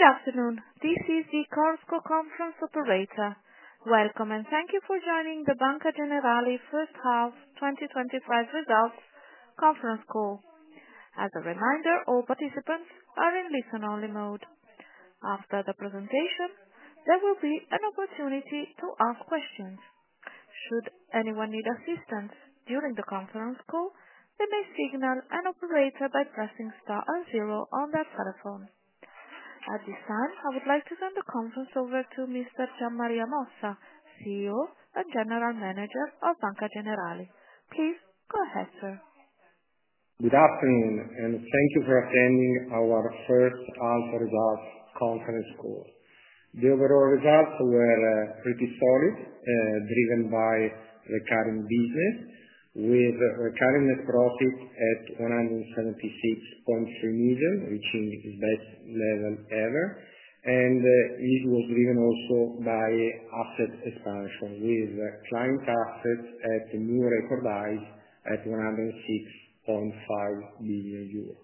Good afternoon. This is the CORSCO conference operator. Welcome, and thank you for joining the Banco Generali First Half twenty twenty five Results Conference Call. Questions. At this time, I would like to turn the conference over to Mr. Gianmaria Moza, CEO and and general manager of Banca Generali. Please go ahead, sir. Good afternoon, and thank you for attending our first answer results conference call. The overall results were pretty solid, driven by recurring business with recurring net profit at 176,300,000.0, reaching its best level ever. And this was driven also by asset expansion with client assets at a new record high at €106,500,000,000.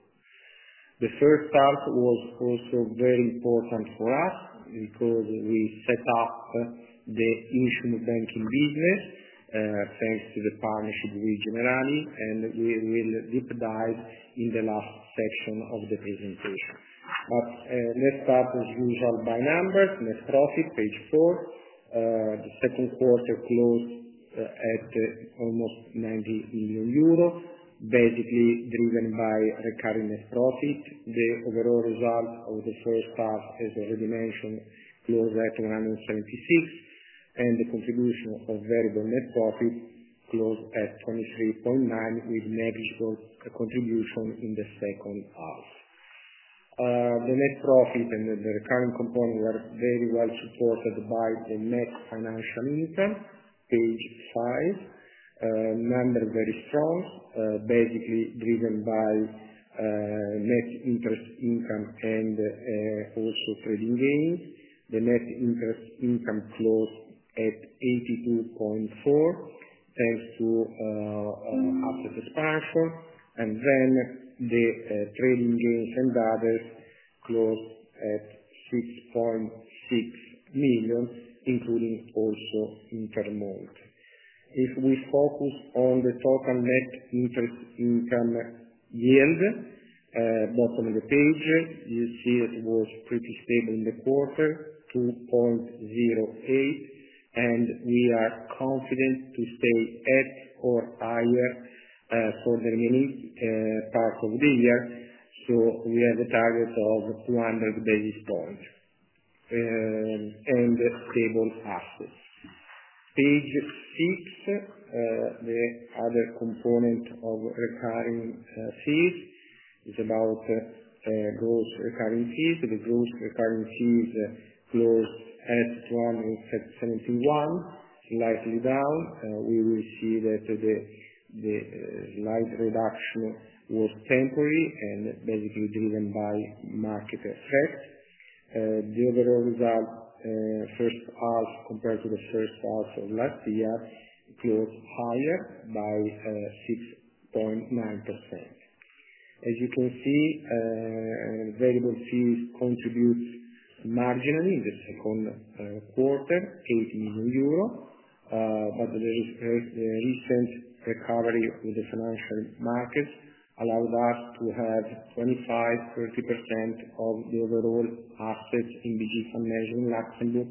The first half was also very important for us because we set up the issue of banking business. Thanks to the partnership with Generali, and we will deep dive in the last section of the presentation. But let's start as usual by numbers. Net profit, page four. The second quarter closed at almost €90,000,000, basically driven by recurring net profit. The overall result of the first half, as already mentioned, closed at 176, and the contribution of variable net profit closed at 23.9 with negligible contribution in the second half. The net profit and the the recurring component were very well supported by the net financial income. Page five, number very strong, basically driven by net interest income and also trading gains. The net interest income closed at 82.4, thanks to asset expansion. And then the trading gains and others closed at 6,600,000.0, including also inter mode. If we focus on the total net interest income yield, bottom of the page, you see it was pretty stable in the quarter, 2.08, and we are confident to stay at or higher for the remaining part of the year. So we have a target of 200 basis points and stable assets. Page six, other component of recurring fees is about gross recurring fees. The gross recurring fees closed at 271, slightly down. We will see that the the slight reduction was temporary and basically driven by market effect. The overall result first half compared to the first half of last year grew higher by 6.9%. As you can see, variable fees contributes marginally in the second quarter, €80,000,000, but the the the recent recovery with the financial markets allowed us to have 25, 30% of the overall assets in the G Fund measure in Luxembourg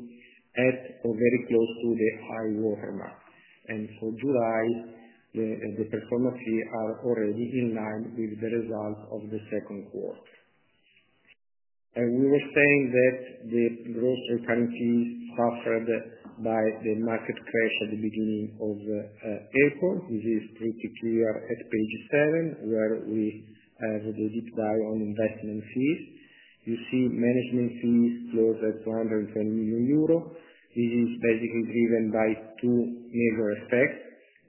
at or very close to the high watermark. And for July, the the performance fee are already in line with the result of the second quarter. And we were saying that the grocery currency suffered by the market market crash at the April. This is pretty clear at page seven where we have the deep dive on investment fees. You see management fees close at €220,000,000. This is basically driven by two major effects.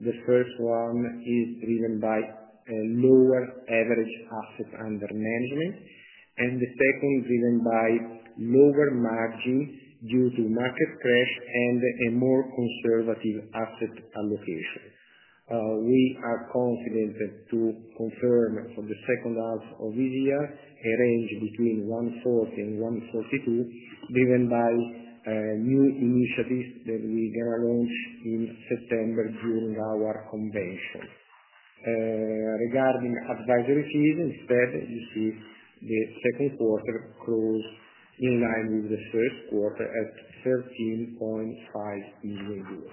The first one is driven by a lower average asset under management, and the second is driven by lower margin due to market crash and a more conservative asset allocation. We are confident to confirm for the second half of this year a range between $1.40 and $1.42, driven by new initiatives that we're gonna launch in September during our convention. Regarding advisory fees, you see the second quarter close in line with the first quarter at €13,500,000.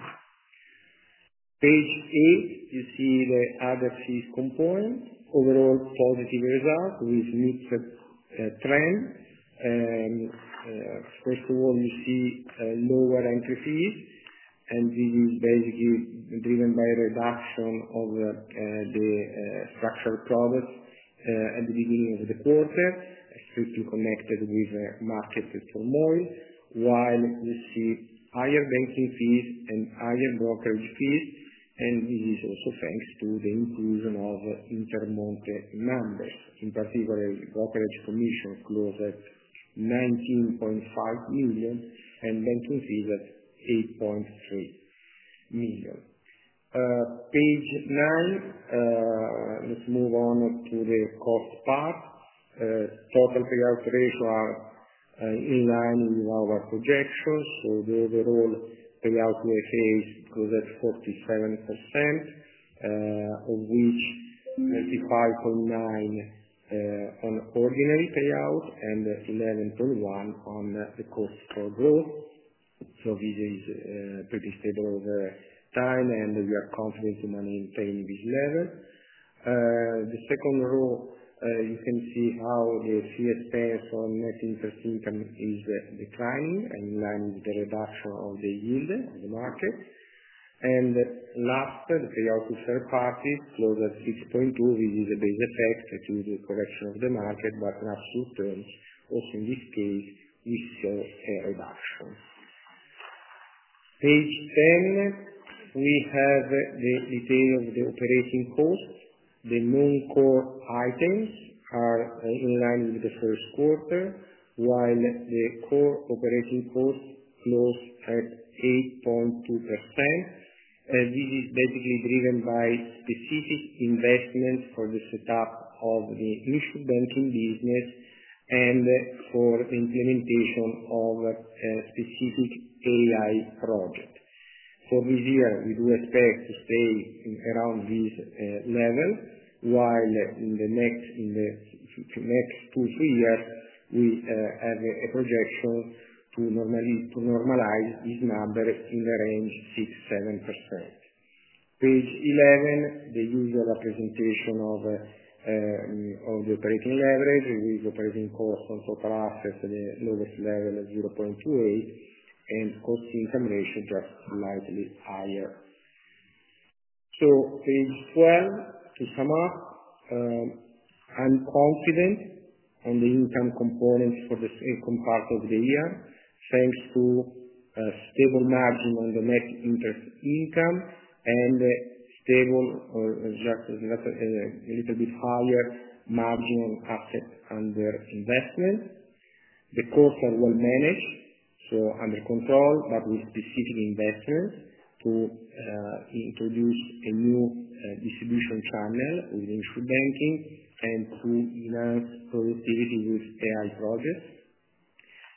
Page eight, you see the other fees component. Overall, positive results with mix of trend. First of all, we see lower entry fees, and this is basically driven by a reduction of the structural products at the beginning of the quarter, strictly connected with the market turmoil, while we see higher banking fees and higher brokerage fees, and this is also thanks to the inclusion of the inter monthly numbers. In particular, brokerage commission closed at 19,500,000.0 and then to see that 8,300,000.0. Page nine. Let's move on to the cost part. Total payout ratio are in line with our projections. So the overall payout we face was at 47%, of which 35.9 on ordinary payout and 11.1 on the cost for growth. So this is pretty stable over time, and we are confident in maintaining this level. The second row, you can see how the fee expense on net interest income is declining and in line with the reduction of the yield in the market. And last, payout to third party closed at 6.2. This is a base effect due to the correction of the market, but in absolute terms, also in this case, we saw a reduction. Page 10, have the detail of the operating cost. The main core items are in line with the first quarter, while the core operating cost closed at 8.2 percent. This is basically driven by specific investments for the setup of the mutual banking business and for the implementation of a specific AI project. For this year, we do expect to stay in around this level while in the next in the next two, three years, we have a projection to normally to normalize this number in the range 7%. Page 11, the usual representation of of the operating leverage with operating cost on total assets at the lowest level of 0.28 and cost to income ratio just slightly higher. So page 12, to sum up, I'm confident on the income components for the second part of the year, to a stable margin on the net interest income and stable or just a little bit higher margin on assets under investment. The costs are well managed, so under control, but with specific investments to introduce a new distribution channel within short banking and to enhance productivity with AI projects.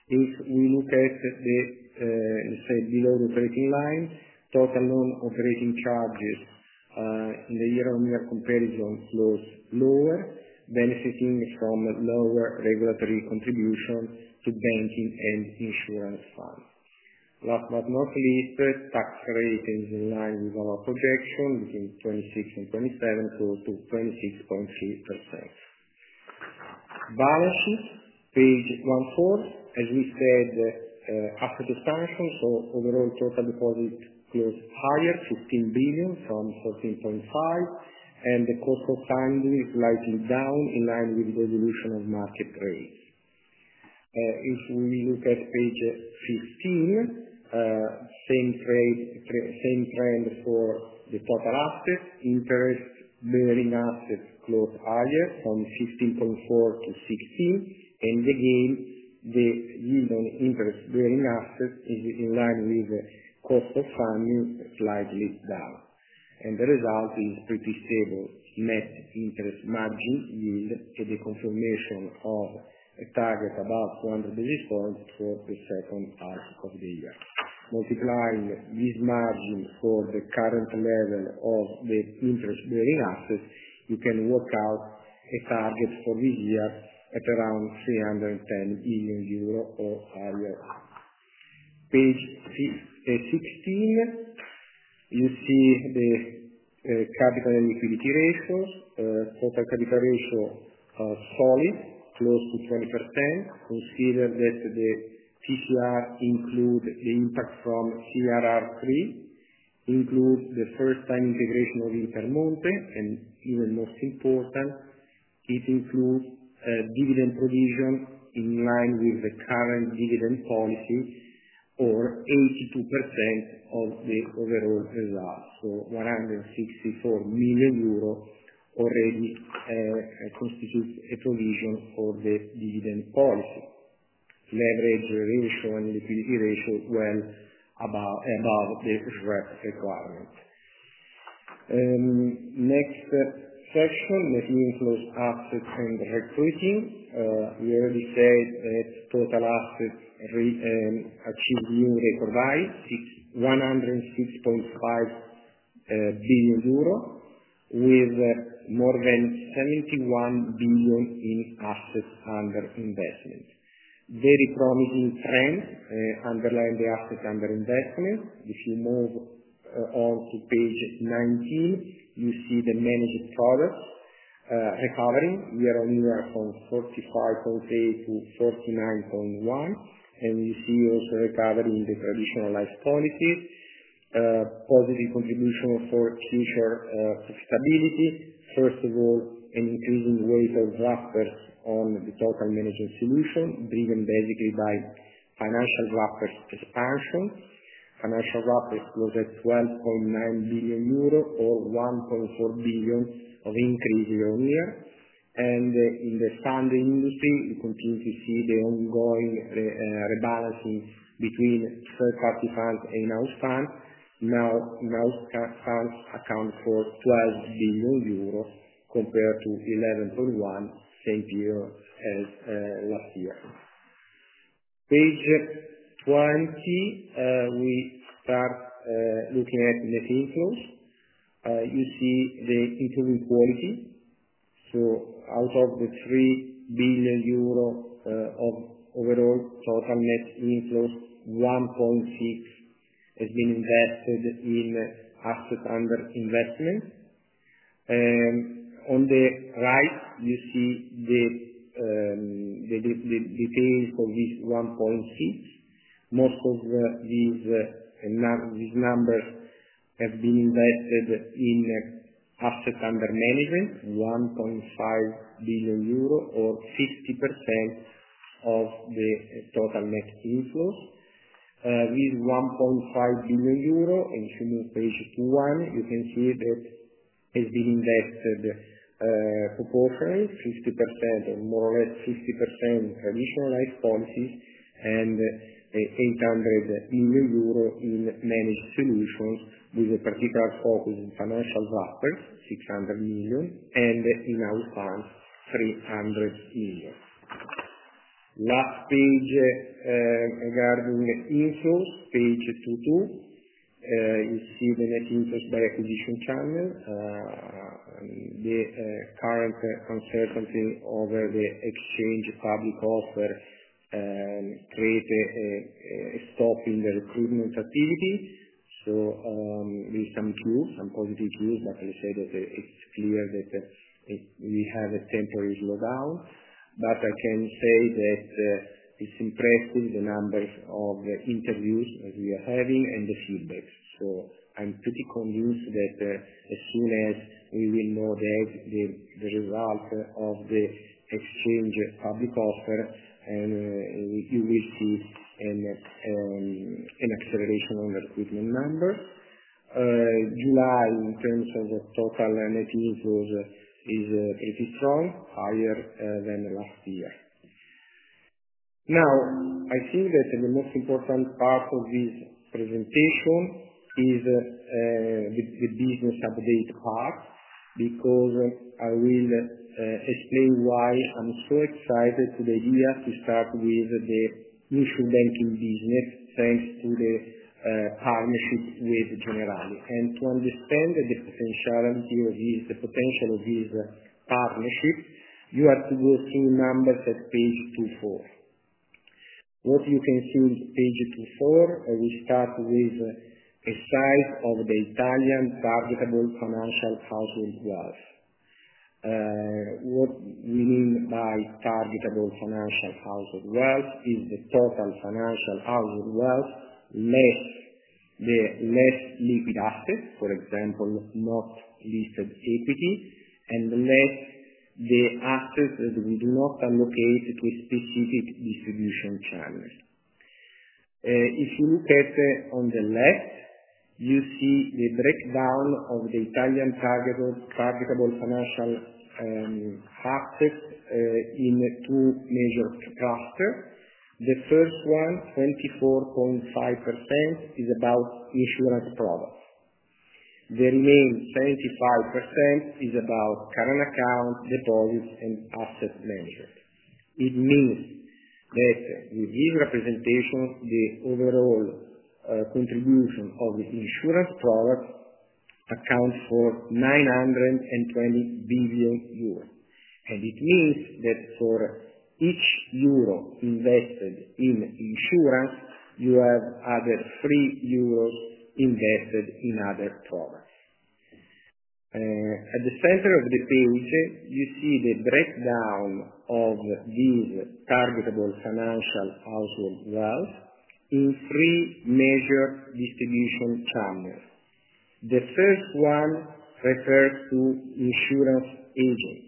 If we look at the let's say, below the 13 line, total loan operating charges in the year on year comparison was lower, benefiting from lower regulatory contribution to banking and insurance fund. Last but not least, the tax rate is in line with our projection between '26 and '27, close to 26.3%. Balance sheet, page one four. As we said, after the expansion, so overall total deposit was higher, 15,000,000,000 from fourteen point five, and the cost of funding is slightly down in line with the evolution of market rates. If we look at page 15, same trade same trend for the total assets. Interest bearing assets closed higher from 15.4 to 16. And, again, the yield on interest bearing assets is in line with cost of funding slightly down. And the result is pretty stable. Net interest margin yield is a confirmation of a target about 100 basis points for the second half of the year. Multiplying this margin for the current level of the interest bearing assets, you can work out a target for this year at around €310,000,000 or higher. Page 16, you see the capital and liquidity ratios. Total capital ratio, solid, close to 20%. Consider that the TCR include the impact from CRR three, include the first time integration of Intermonte, and even most important, it includes dividend provision in line with the current dividend policy or 82% of the overall results. So €164,000,000 already constitute a provision for the dividend policy. Leverage ratio and liquidity ratio well above above the risk requirement. Next section, net inflows, assets, and recruiting. We already said that total assets re achieved new record high, 6 €106,500,000,000 with more than 71,000,000,000 in assets under investment. Very promising trend underlying the assets under investment. If you move on to page 19, you see the managed products recovering. We are only at 45.8 to 49.1, and you see also recovery in the traditional life policy, positive contribution for future stability. First of all, an increasing weight of buffers on the total management solution, driven basically by financial buffers expansion. Financial wrappers was at €12,900,000,000 or 1,400,000,000.0 of increase year on year. And in the funding industry, we continue to see the ongoing rebalancing between third party funds and announced funds. Now announced funds account for 12,000,000,000 compared to 11.1 same period as last year. Page 20, we start looking at net inflows. You see the improving quality. So out of the €3,000,000,000 of overall total net inflows, 1.6 has been invested in assets under investment. And on the right, you see the the the details of this 1.6. Most of the these numbers have been invested in assets under management, €1,500,000,000 or 5050% of the total net inflows. With €1,500,000,000, and if you move page two one, you can see that it's been invested proportionally, 50% or more or less 50%, traditionalized policies and €800,000,000 in managed solutions with a particular focus in financial buffers, 600,000,000, and in our funds, 300,000,000. Last page regarding the inflows, page two two. You see the net interest by acquisition channel. The current uncertainty over the exchange public offer and create a stop in the recruitment activity. So there's some queues, some positive queues, but they said that it's clear that it we have a temporary slowdown. But I can say that it's impressive, the numbers of interviews that we are having and the feedback. So I'm pretty convinced that as soon as we will know that the the result of the exchange of the cost, and you will see an acceleration on the equipment numbers. July, in terms of the total net inflows is pretty strong, higher than last year. Now I think that the most important part of this presentation is the the business update part because I will explain why I'm so excited to the year to start with the mutual banking business, thanks to the partnership with Generali. And to understand the potential of this partnership, you have to go through numbers at page two four. What you can see in page two four, we start with a side of the Italian targetable financial household wealth. What we mean by targetable financial household wealth is the total financial household wealth less the less liquid assets, for example, not listed equity, and less the assets that we do not allocate to a specific distribution channel. If you look at it on the left, you see the breakdown of the Italian targeted targetable financial assets in two major cluster. The first 24.5%, is about insurance products. The remaining 75% is about current account deposits and asset management. It means that with this representation, the overall contribution of the insurance product accounts for €920,000,000,000. And it means that for each euro invested in insurance, you have other €3 invested in other products. At the center of the page, see the breakdown of these targetable financial household wealth in three major distribution channels. The first one refers to insurance agents.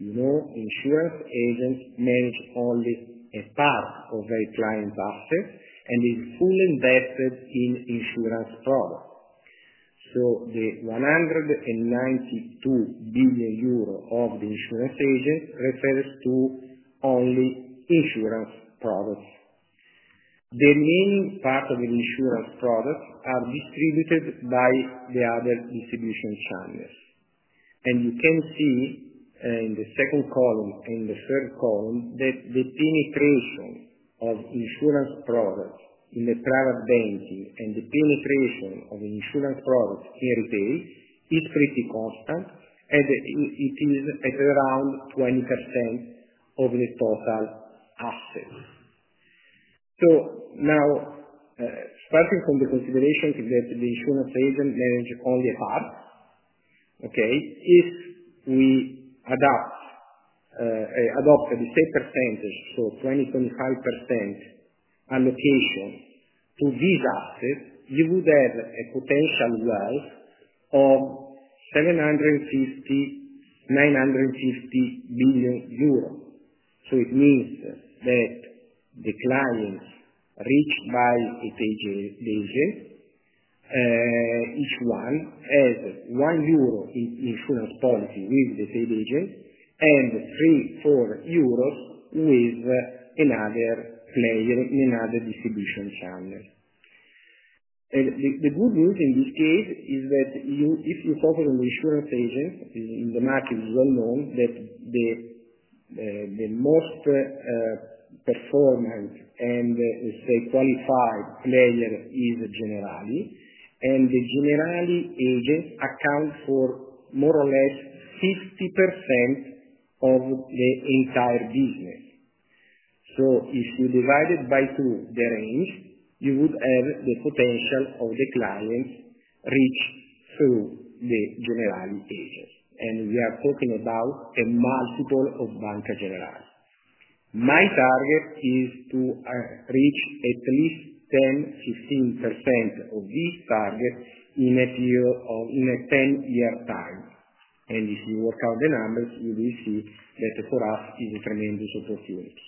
You know, insurance agents manage only a part of their client's asset and is fully invested in insurance product. So the €192,000,000,000 of the insurance agent refers to only insurance products. The main part of the insurance products are distributed by the other distribution channels. And you can see in the second column and the third column that the penetration of insurance products in the private banking and the penetration of insurance products here today is pretty constant, and it is at around 20% of the total assets. So now starting from the consideration to get the insurance agent managed only half. Okay? If we adapt adopt the same percentage, so 25% allocation to these assets, you would have a potential loss of 750 €950,000,000,000. So it means that the clients reached by a paid agent, each one has €1 in insurance policy with the paid agent and €34 with another player in another distribution channel. And the the good news in this case is that you if you talk with an insurance agent in the market, it's well known that the the the most performance and, let's say, qualified player is Generali. And the Generali agent account for more or less 50% of the entire business. So if you divide it by two, the range, you would have the potential of the clients reach through the generalizations, and we are talking about a multiple of Banca Generali. My target is to reach at least 15% of this target in a few in a ten year time. And if you work out the numbers, you will see that for us is a tremendous opportunity.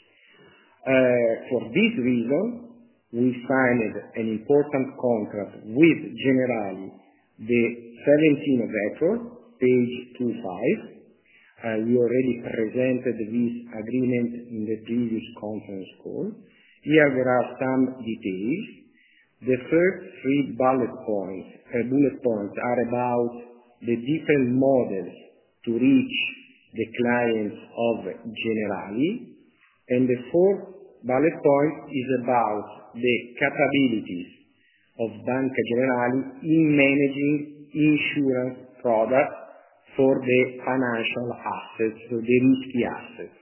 For this reason, we signed an important contract with Generali, the April 17, page two five. We already presented this agreement in the previous conference call. Here, there are some details. The first three bullet points bullet points are about the different models to reach the clients of Generali. And the fourth valid point is about the capabilities of Banca Generali in managing issuer products for the financial assets, for the risky assets.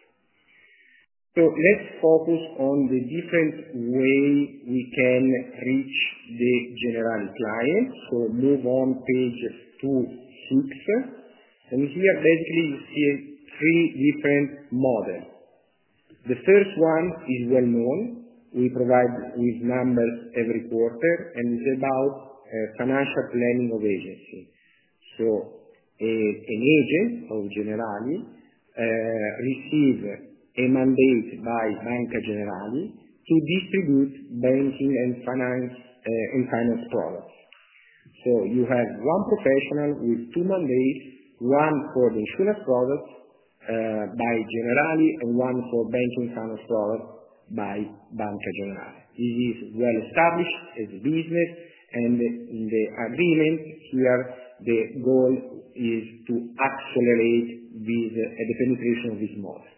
So let's focus on the different way we can reach the general clients. So move on page two six. And here, basically, you see three different models. The first one is well known. We provide with numbers every quarter, and it's about financial planning of agency. So an agent of Generali received a mandate by Banker Generali to distribute banking and finance and finance products. So you have one professional with two mandates, one for the insurance products by Generali and one for banking finance products by Banca Generali. It is well established as a business and the the agreement here, the goal is to accelerate the the penetration of this model.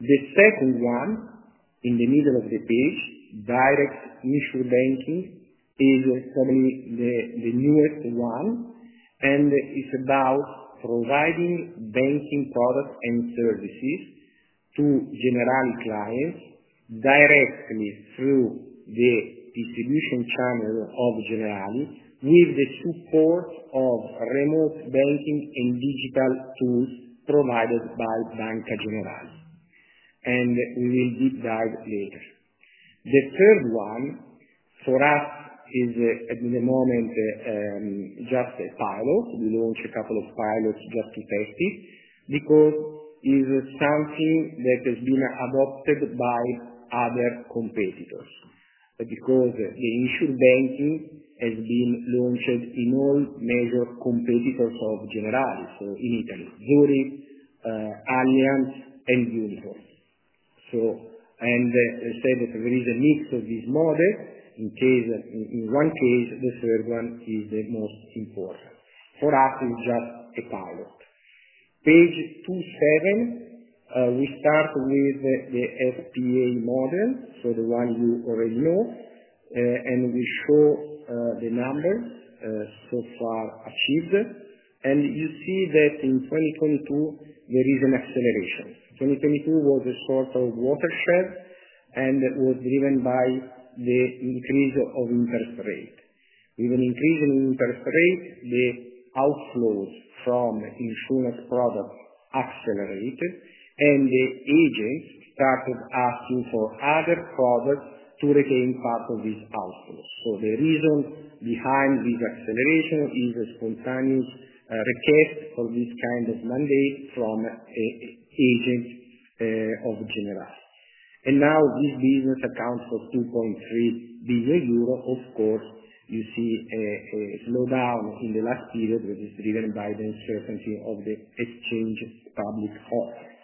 The second one in the middle of the page, direct mutual banking is certainly the the newest one, and it's about providing banking products and services to general clients direct through the distribution channel of general with the support of remote banking and digital tools provided by Banca General, and we will deep dive later. The third one for us is, at the moment, just a pilot. We launched a couple of pilots just to test it because it is something that has been adopted by other competitors because the issue banking has been launched in all major competitors of Generali. So in Italy, Zurich, Allianz, and uniform. So and as I said, there is a mix of this model in case in in one case, the third one is the most important. For us, it's just a pilot. Page two seven, we start with the the SPA model, so the one you already know, and we show the numbers so far achieved. And you see that in 2022, there is an acceleration. 2022 was a sort of watershed and that was driven by the increase of interest rate. With an increase in interest rate, the outflows from insurance product accelerated, and the agents started asking for other products to regain part of this outflow. So the reason behind this acceleration is this continuous recap of this kind of mandate from agent of general. And now this business accounts for €2,300,000,000. Of course, you see a a slowdown in the last period, which is driven by the uncertainty of the exchange public cost.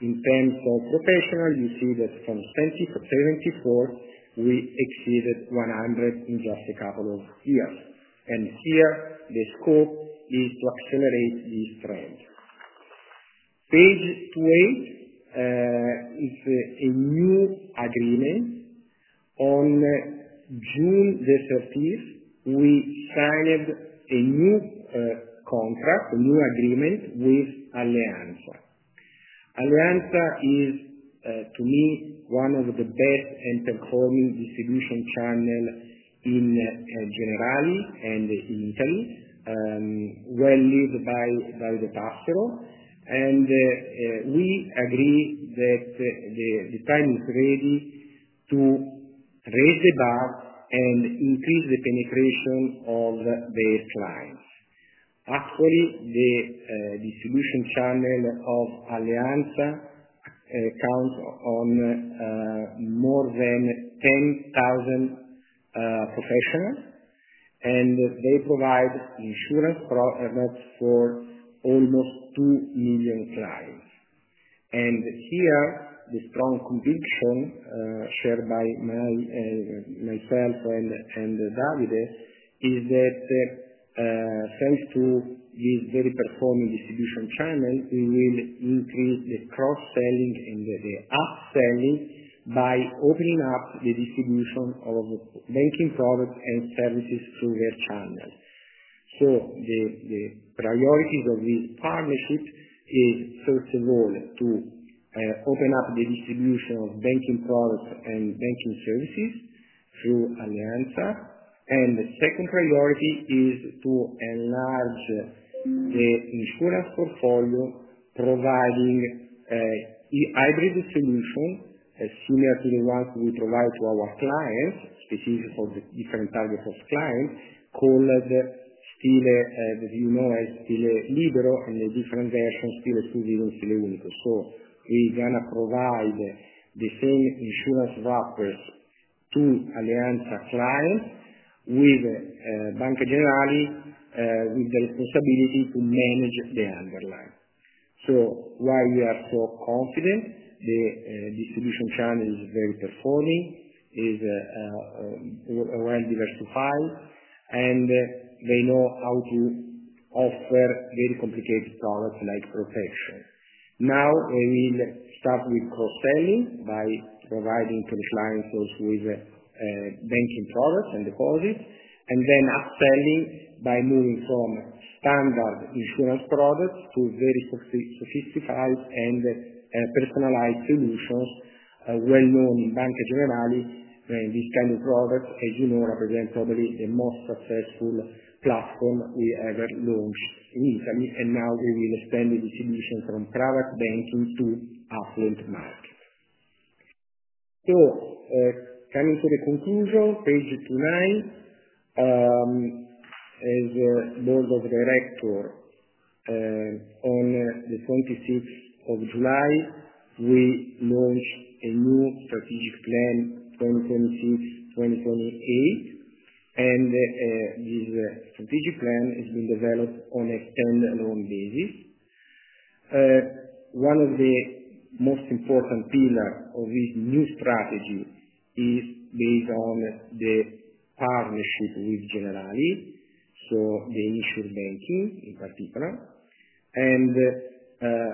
In terms of professional, you see that from 7074, we exceeded 100 in just a couple of years. And here, the scope is to accelerate this trend. Page 12 is a new agreement. On June 30, we signed a new contract, a new agreement with Allianz. Allianz is, to me, one of the best and performing distribution channel in Generali and Italy, well lived by the pastoral. And we agree that the time is ready to raise the bar and increase the penetration of base clients. Actually, the distribution channel of Allianz accounts on more than 10,000 professionals, and they provide insurance for almost 2,000,000 clients. And here, the strong conviction shared by my myself and and David is that sales to be very performing distribution channel, we will increase the cross selling and the the upselling by opening up the distribution of banking products and services through their channels. So the the priorities of this partnership is, first of all, to open up the distribution of banking products and banking services through Allianza. And the second priority is to enlarge the insurance portfolio providing hybrid solution similar to the ones we provide to our clients, specifically for the different target of clients, called the still, as you know, still Libro and a different version still as 2,000,000,000 still Unico. So we're gonna provide the same insurance wrappers to Allianz's client with Bank Generali with the responsibility to manage the underlying. So why we are so confident, the distribution channel is very performing, is diversified, and they know how to offer very complicated products like protection. Now we will start with cross selling by providing to the clients those with banking products and deposits, and then upselling by moving from standard insurance products to very sufficed sophisticated and personalized solutions, well known in banking generally. And this kind of product, as you know, represents probably the most successful platform we ever launched in Italy. And now we will expand the distribution from private banking to affluent market. So coming to the conclusion, page nine, as the board of director, on the July 26, we launched a new strategic plan twenty twenty six twenty twenty eight, and this strategic plan has been developed on a standalone basis. One of the most important pillar of this new strategy is based on the partnership with Generali, so the initial banking in particular, And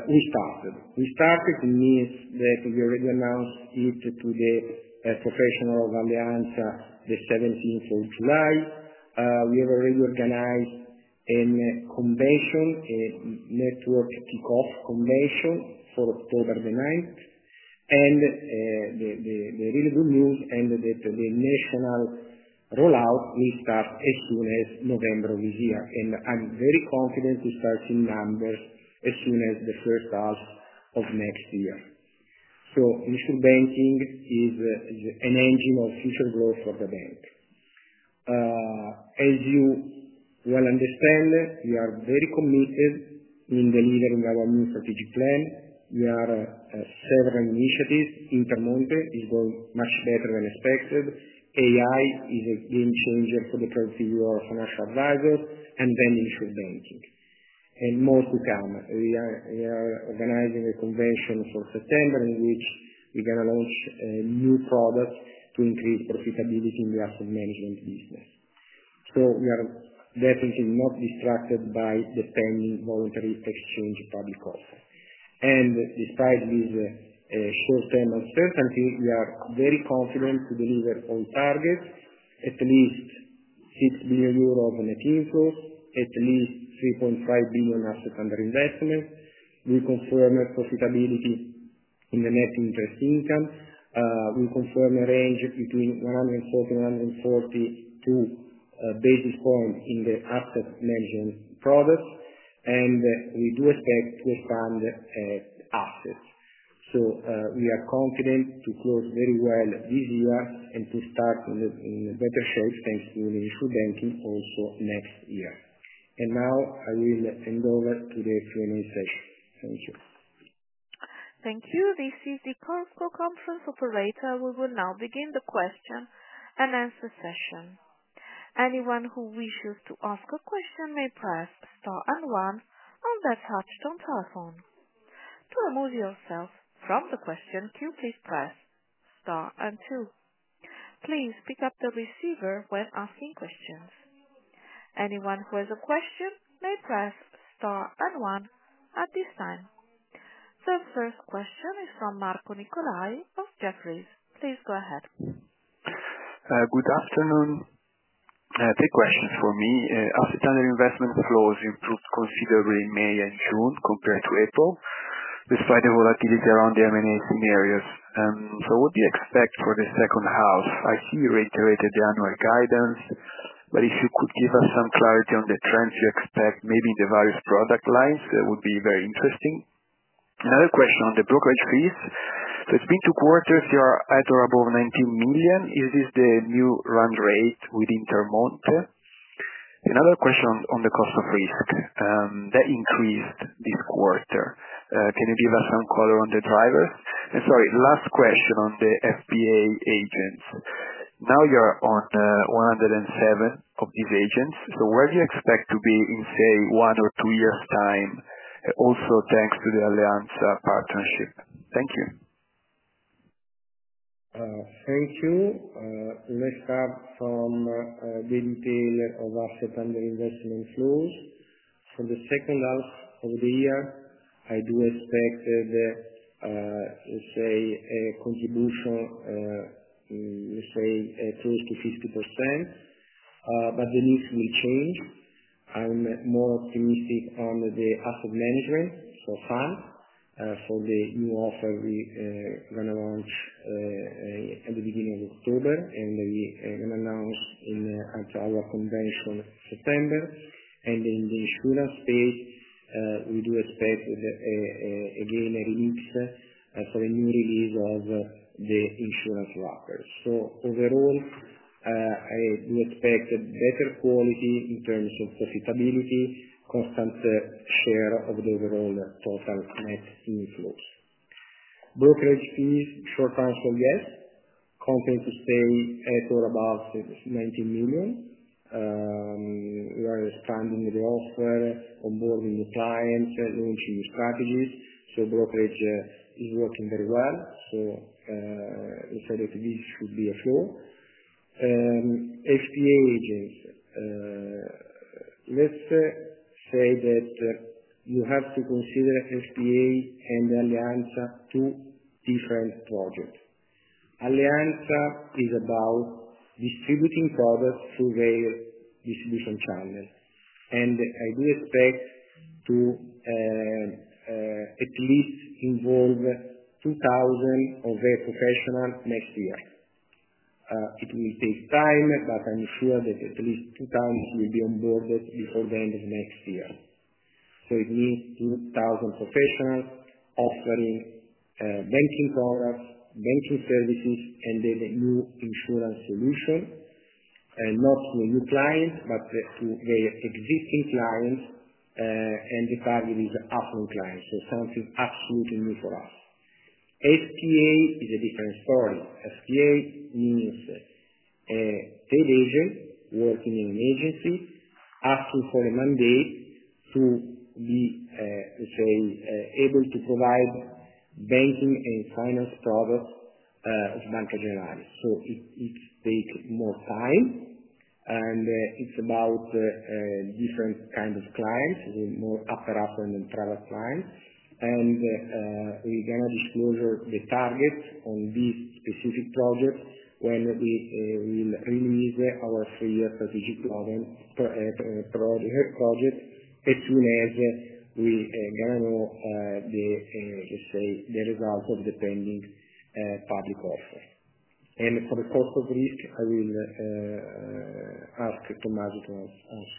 we started. We started means that we already announced it to the professional alliance, the July 17. We have already organized a convention, a network kickoff convention for October 9. And the the the really good news and the the the national rollout will start as soon as November. And I'm very confident to start seeing numbers as soon as the first half of next year. So mutual banking is an engine of future growth for the bank. As you well understand, we are very committed in delivering our new strategic plan. We are several initiatives. Intermonte is going much better than expected. AI is a game changer for the current CEO of financial advisers and then insured banking. And more to come. We are we are organizing a convention for September in which we're gonna launch new products to increase profitability in the asset management business. So we are definitely not distracted by the pending voluntary exchange public offer. And despite these short term uncertainties, we are very confident to deliver all target, at least €6,000,000,000 of net inflows, at least 3,500,000,000.0 assets under investment. We confirm our profitability in the net interest income. We confirm a range between one hundred and forty and one hundred and forty two basis points in the asset management products, and we do expect to expand the assets. So we are confident to close very well this year and to start in a in a better shape, thanks to the initial banking also next year. And now I will hand over to the q and a session. Thank you. Thank you. This is the CONSCO conference operator. We will now begin the question and answer session. The first question is from Marco Nikolay of Jefferies. Please go ahead. Good afternoon. Three questions for me. Asset under investment flows improved considerably in May and June compared to April despite the volatility around the m and a scenarios. So what do you expect for the second half? I see you reiterated the annual guidance, but if you could give us some clarity on the trends you expect maybe in the various product lines, that would be very interesting. Another question on the brokerage fees. So it's been two quarters here at or above 19,000,000. Is this the new run rate within term loan? Another question on the cost of risk that increased this quarter. Can you give us some color on the drivers? And sorry, last question on the FBA agents. Now you're on 107 of these agents. So where do you expect to be in, say, one or two years' time, also thanks to the Alliance partnership? Thank you. Thank you. Let's start from the detail of asset under investment flows. For the second half of the year, I do expect that, let's say, a contribution, let's say, close to 50%, but the needs will change. I'm more optimistic on the asset management, so far, for the new offer we're gonna launch at the October, and we and we announced in at our convention September. And in the insurance space, we do expect, a release for a new release of the insurance wrapper. So overall, I do expect a better quality in terms of profitability, constant share of the overall total net inflows. Brokerage fees, short answer, yes, Comparing to stay at or above 90,000,000. We are expanding the offer, onboarding new clients, launching new strategies. So brokerage is working very well. So we said that this should be a flow. And FTA agents, let's say that you have to consider FTA and Allianza two different projects. Allianzia is about distributing products through their distribution channel, and I do expect to at least involve 2,000 of their professionals next year. It will take time, but I'm sure that at least 2,000 will be onboarded before the end of next year. So it means 2,000 professionals offering banking products, banking services, and then a new insurance solution. And not to a new client, but to the existing clients and the target is the affluent clients. So something absolutely new for us. SPA is a different story. SPA means a paid agent working in an agency asking for a mandate to be, let's say, able to provide banking and finance products as Banca Generali. So it it takes more time, and it's about different kind of clients with more upper half and then private clients. And we're gonna disclose the target on these specific projects when we will release our three year strategic program project as soon as we gonna know the, let's say, the results of the pending public offer. And for the cost of risk, I will ask Tomasz to ask.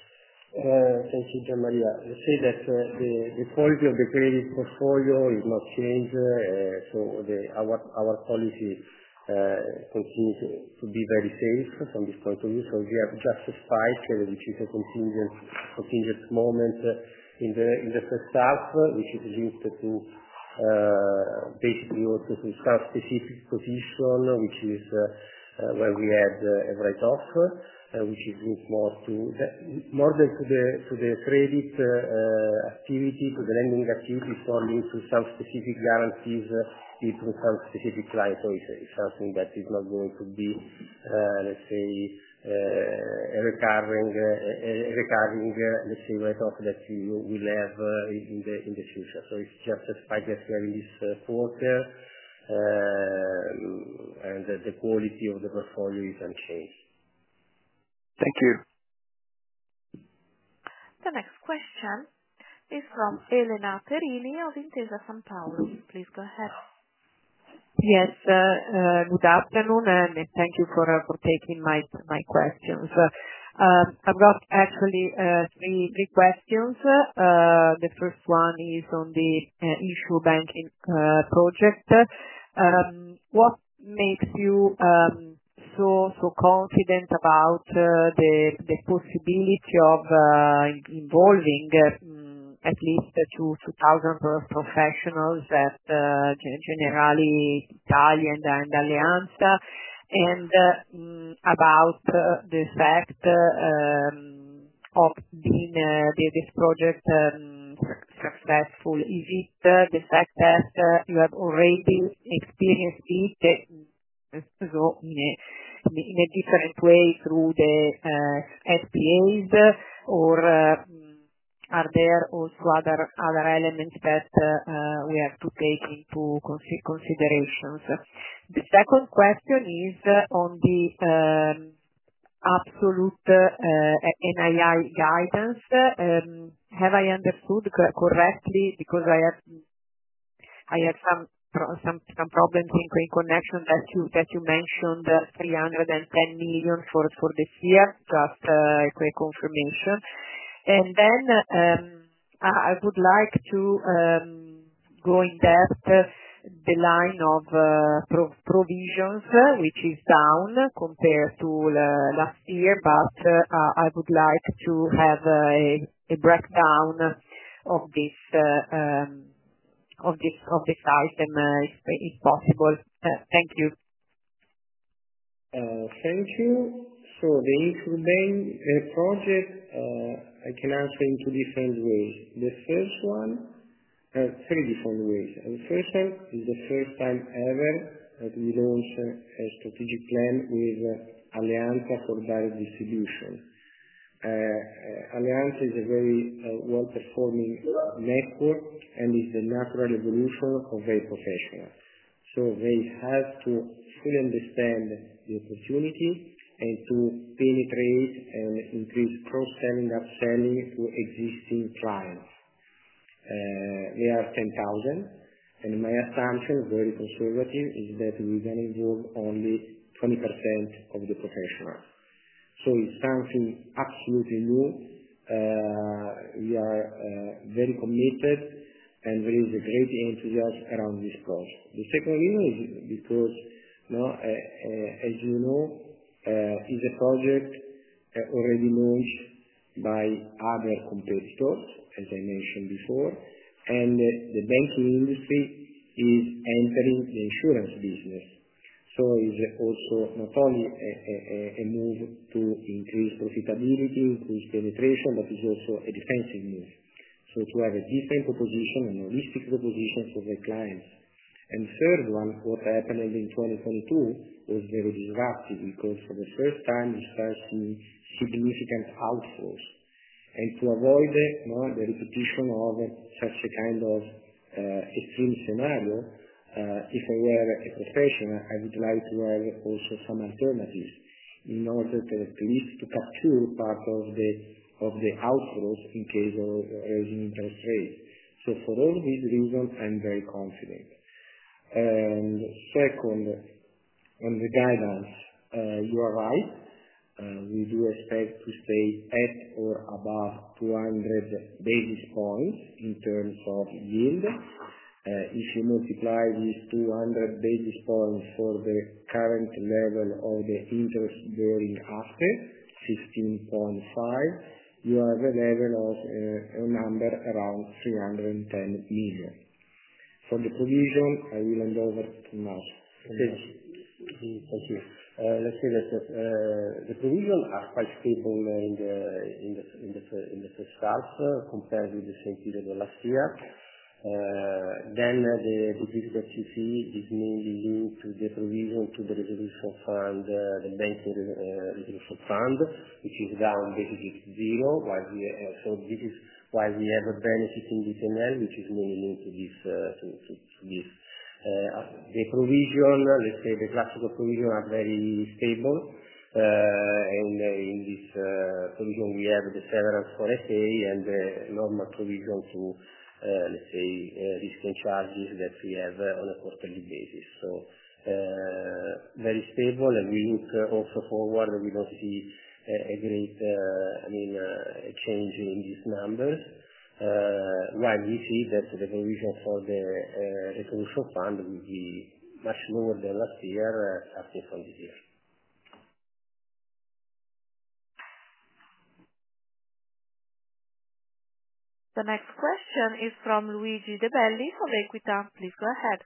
Thank you, Jean Maria. Let's say that the the quality of the credit portfolio is not changed. So the our our policy continues to be very safe from this point of view. We have just a spike, which is a contingent contingent moment in the in the first half, which is linked to basically also to some position, which is where we had a write off, which is moved more to the more than to the to the credit activity, to the lending activity for me to some specific guarantees due to some specific clients. So it's it's something that is not going to be, let's say, recovering recovering, let's say, right off that you will have in the in the future. So it's just a spike that we're in this quarter and that the quality of the portfolio is unchanged. Thank you. The next question is from Elena Perini of Intesa Sanpaolo. Please go ahead. Yes. Good afternoon, and thank you for for taking my my questions. Questions. I've got actually three three questions. First one is on the issue banking project. What makes you so so confident about the the possibility of involving at least the two two thousand professionals that generally Italian and Allianza And about the fact of being this project successful. Is it the fact that you have already experienced it in in a a different way through the FPAs or are there also other other elements that we have to take into consideration? The second question is on the absolute NII guidance. Have I understood correctly? Because I have I have some some some problems in connection that you that you mentioned, the 310,000,000 for for this year. Just a quick confirmation. And then I I would like to go in-depth the line of provisions, which is down compared to last year. But I would like to have a a breakdown of this of this of this item if if possible. Thank you. Thank you. So the for the project, I can answer in two different ways. The first one three different ways. The first one is the first time ever that we launched a strategic plan with Allianz for value distribution. Allianz is a very well performing network and is the natural evolution of a professional. So they have to fully understand the opportunity and to penetrate and increase cross selling, upselling to existing clients. They are 10,000, and my assumption is very conservative. It's that we're gonna do only 20 of the professional. So it's something absolutely new. We are very committed, and there is a great interest around this project. The second reason is because, you know, you know, it's a project already launched by other competitors, as I mentioned before. And the banking industry is entering the insurance business. So it's also not only move a to increase profitability, increase penetration, but it's also a defensive move. So to have a different proposition and holistic proposition for the clients. And third one, what happened in 2022 was very disruptive because for the first time, we start seeing significant outflows. And to avoid the, you know, the repetition of such a kind of extreme scenario, if I were a professional, I would like to have also some alternatives in order to at least to capture part of the of the outflows in case of raising interest rate. So for all these reasons, I'm very confident. And second, on the guidance, you are right. We do expect to stay at or above 200 basis points in terms of yield. If you multiply these 200 basis points for the current level of the interest bearing asset, 15.5, you have a level of a number around 310,000,000. For the provision, I will hand over to Nash. Thank you. Thank you. Let's say that the provision are quite stable in the in the in first half compared with the same period of last year. Then the the decrease that you see is mainly due to the provision to the resolution fund, the bank's resolution fund, which is down basically zero, but we are so this is why we have a benefit in this and that, which is mainly linked to this to to to this provision, let's say, classical provision are very stable. And in this provision, we have the seller for SA and the normal provision to, let's say, risk and charges that we have on a quarterly basis. So very stable and we look also forward, and we don't see a great, I mean, a change in these numbers. Like, we see that the provision for the resolution fund will be much lower than last year, starting from this year. The next question is from Luigi Debelli from Equita. Please go ahead.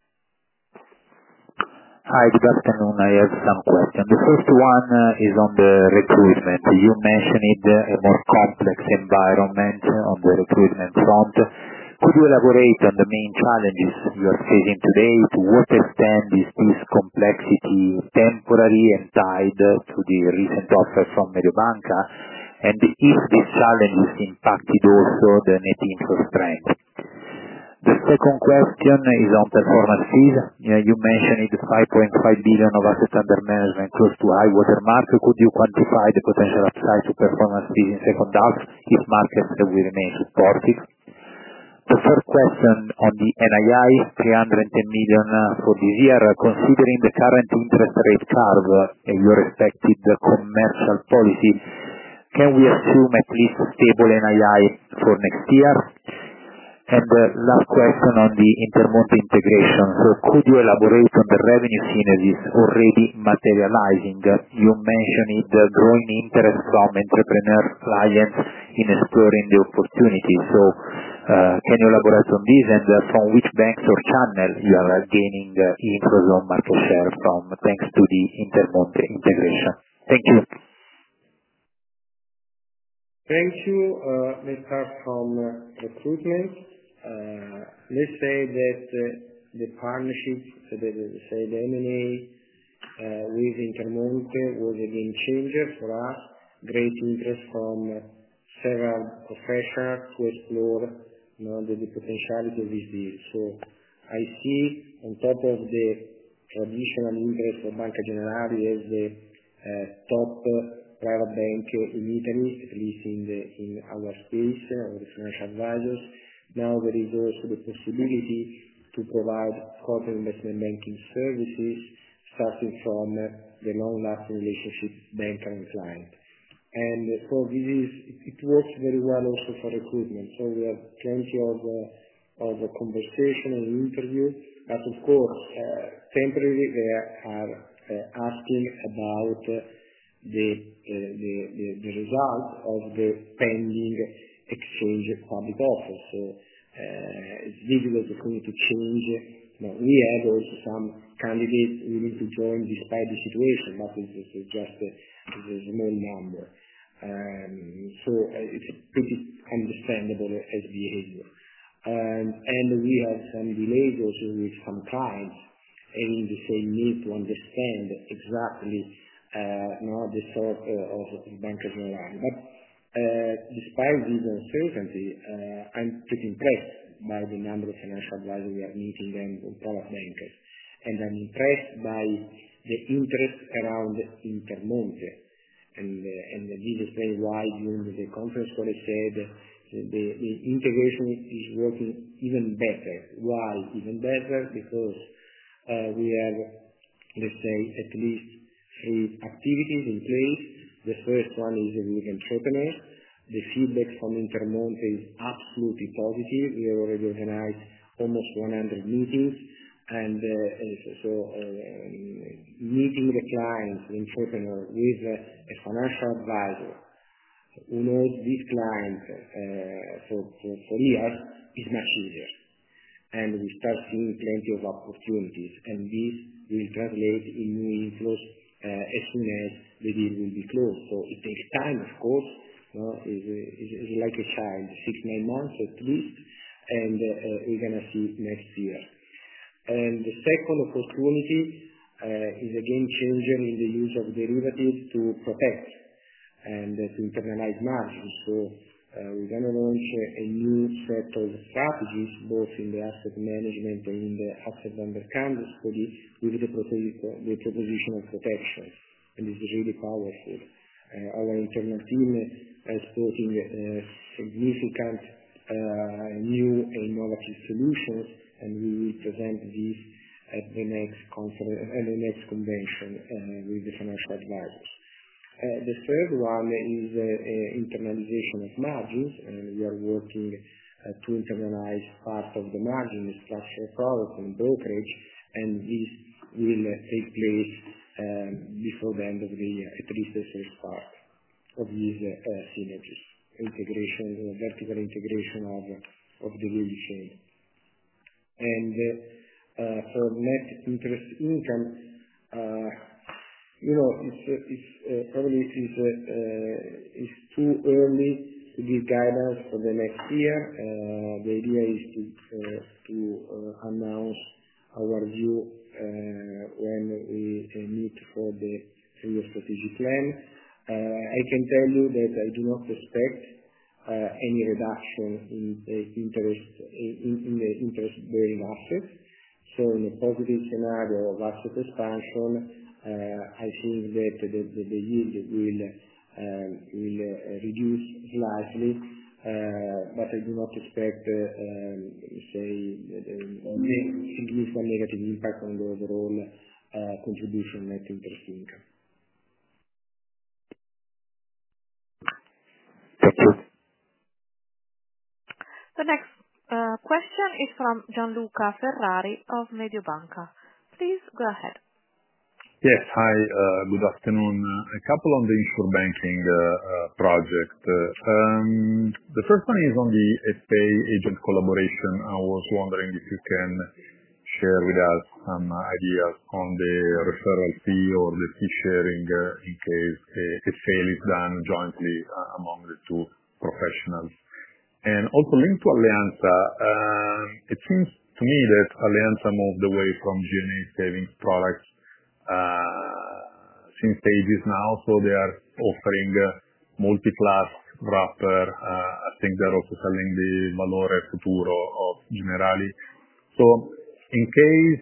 Hi. Good afternoon. I have some questions. The first one is on the recruitment. You mentioned it a more complex environment on the recruitment front. Could you elaborate on the main challenges you are facing today? To what extent is this complexity temporary and tied to the recent offer from Mediobanca? And if this challenge has impacted also the net interest strength? The second question is on performance fees. You mentioned it is €5,500,000,000 of assets under management close to high watermark. Could you quantify the potential upside to performance in second half if markets will remain supportive? The first question on the NII, $310,000,000 for this year. Considering the current interest rate curve and your expected commercial policy, can we assume at least stable NII for next year? And last question on the intermodal integration. So could you elaborate on the revenue synergies already materializing? You mentioned the growing interest from entrepreneurs, clients in exploring the opportunity. So can you elaborate on this? And from which banks or channels you are gaining interest on market share from, thanks to the Intermodal integration? Thank you. Thank you. Let's start from recruitment. Let's say that the partnership, the the, say, the m and a with Intermonte was a game changer for us. Great interest from several professionals who explore the potentiality of this deal. So I see on top of the traditional interest of Banca Generali as the top private bank in Italy, at least in the in our space or the financial advisers. Now there is also the possibility to provide corporate investment banking services starting from the long lasting relationship bank and client. And so this is it works very well also for recruitment. So we have plenty of of conversation and interview. But, of course, temporary, they are about the the the the result of the pending exchange of public office. So this is going to change. We have also some candidates who need to join despite the situation. Nothing is suggested. There's no number. So it's pretty understandable as behavior. And and we have some delays also with some clients, and in the same need to understand exactly, you know, the sort of the bankers in line. But despite these uncertainty, I'm pretty impressed by the number of financial advisers we are meeting them with top bankers. And I'm impressed by the interest around Intermonte. And and the business day why during the conference call they said the the integration is working even better. Why even better? Because we have, let's say, at least three activities in place. The first one is with entrepreneurs. The feedback from Intermont is absolutely positive. We have already organized almost 100 meetings. And and so meeting the client, the entrepreneur, with a financial adviser. Who knows this client for for for years is much easier. And we start seeing plenty of opportunities, and this will translate in new inflows as soon So it takes time, of course. It's it's it's like a child, six, nine months at least, and we're gonna see next year. And the second, of course, quality is a game changer in the use of derivatives to protect and to internalize margins. So we're gonna launch a new set of strategies both in the asset management and in the asset under Canvas for the with the pro the proposition of protection, and this is really powerful. Our internal team is supporting significant new innovative solutions, and we will present these at the next concert at the next convention with the financial advisers. The third one is internalization of margins, and we are working to internalize part of the margin structure of product and brokerage, and this will take place before the end of the year, at least the first part of these synergies, integration vertical integration of the really chain. And for net interest income, you know, it's it's probably, it is it's too early to give guidance for the next year. The idea is to to announce our view when we can meet for the senior strategic plan. I can tell you that I do not expect any reduction in the interest in in the interest bearing assets. So in a positive scenario of asset expansion, I think that the the yield will will reduce slightly, but I do not expect, let's say, negative impact on the overall contribution, net interest income. The next question is from Gianluca Ferrari of Mediobanca. Please go ahead. Yes. Hi. Good afternoon. A couple on the insured banking project. The first one is on the SPA agent collaboration. I was wondering if you can share with us some ideas on the referral fee or the fee sharing in case a sale is done jointly among the two professionals. And also linked to Allianz, seems to me that Allianz moved away from G and A savings products since they did now. So they are offering multi class wrapper. I think they're also selling the Valore, Sapuro, or Generali. So in case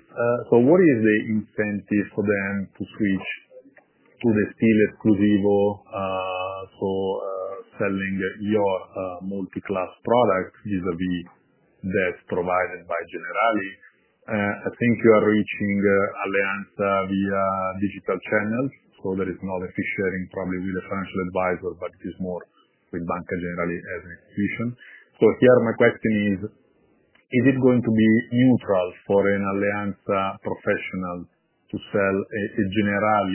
so what is the incentive for them to switch to the steel exclusive or so selling your multi class product vis a vis that provided by Generali? I think you are reaching Alliance via digital channels. So there is no efficient in probably with a financial adviser, but it is more with Banca generally as an institution. So here, my question is, is it going to be neutral for an Alliance professional to sell a general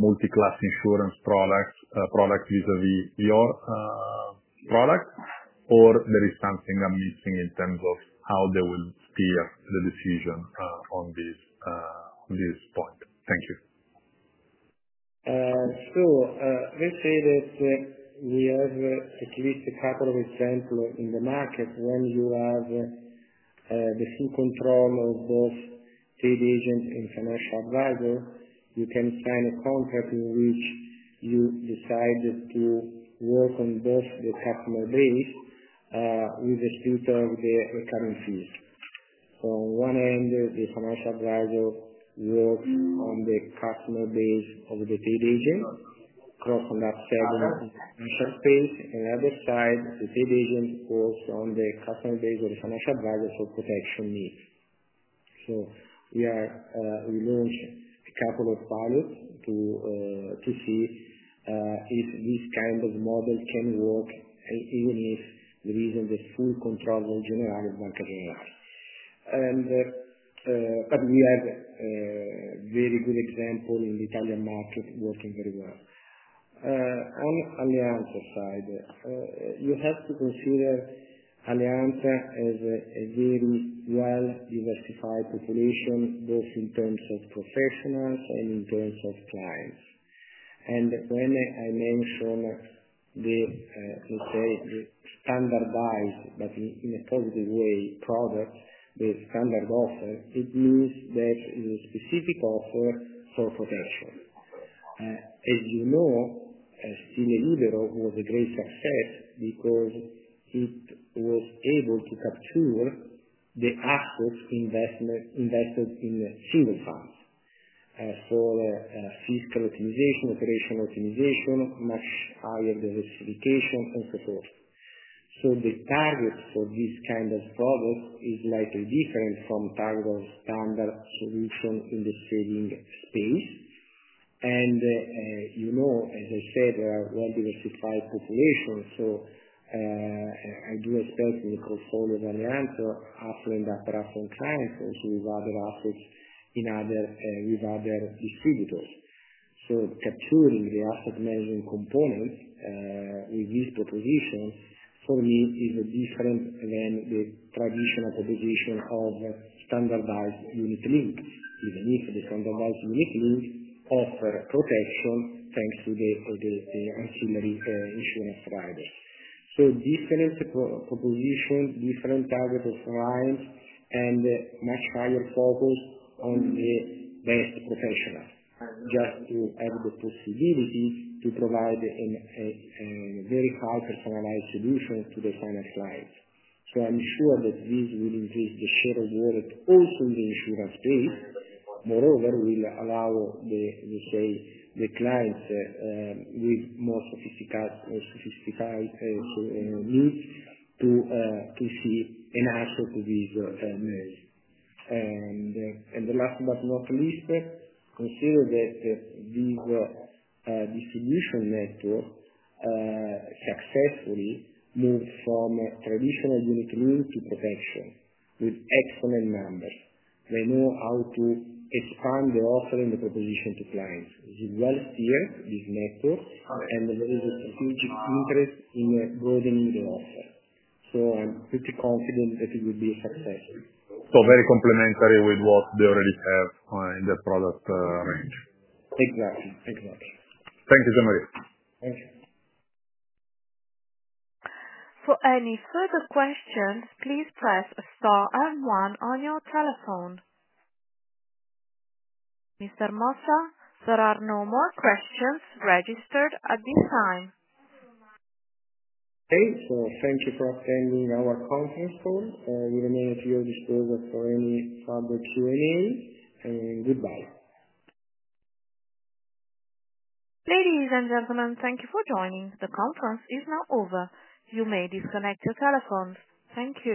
multi class insurance product product vis a vis your product, or there is something I'm missing in terms of how they will steer the decision on this on this point? Thank you. So let's say that we have at least a couple of examples in the market when you have the full control of both trade agent and financial adviser, you can sign a contract in which you decided to work on both the customer base with the speed of the the current fees. So one end, the the financial adviser works on the customer base of the paid agent across from that segment of the financial space. And the other side, the paid agent works on the customer base or the financial guidance for protection needs. So we are we launched a couple of pilots to to see if this kind of model can work even if there isn't a full control of general market. But we have a very good example in the Italian market working very well. On Allianz's side, you have to consider Allianz as a a very well diversified population both in terms of professionals and in terms of clients. And when I I mentioned the, let's say, the standardized, but in in a positive way, product with standard offer, it means that the specific offer for protection. As you know, still a liberal was a great success because it was able to capture the assets investment invested in the single funds. So fiscal optimization, operational optimization, much higher diversification, and so forth. So the target for this kind of product is likely different from target of standard solution in the saving space. And, you know, as I said, we are well diversified population. So I do expect in the portfolio of Allianz to offer in that platform client also with other assets in other with other distributors. So capturing the asset management component with these propositions, for me, is different than the traditional proposition of standardized unit linked. Even if the standardized unit linked offer protection, thanks to the the the ancillary insurance drivers. So different propositions, different target of clients, and much higher focus on the best professional just to have the possibility to provide in a a very high personalized solution to the finance clients. So I'm sure that this will increase the share of wallet also in the insurance space. Moreover, we'll allow the, let's say, the clients with more sophisticated more sophisticated needs to to see an answer to these revenues. And and the last but not least, that that these distribution network successfully moved from traditional unit rule to protection with excellent numbers. They know how to expand the offering and the proposition to clients. We will steer this network, and there is a strategic interest in broadening the offer. So I'm pretty confident that it would be a success. So very complementary with what they already have in the product range. Exactly. Thank you very much. Thank you, Zamore. Thank you. Any further questions, please press star and one on your telephone. Mister Mosa, there are no more questions registered at this time. Okay. So thank you for attending our conference call. We remain at your disposal for any further Q and A, and goodbye. Ladies and gentlemen, thank you for joining. The conference is now over. You may disconnect your telephones. Thank you.